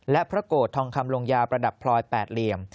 และพระโกรธทองคำลงยาประดับพลอย๘เหลี่ยม